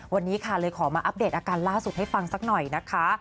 วันนี้ค่ะเลยขอมาอัปเดตอาการล่าสุดให้ฟังสักหน่อยนะคะ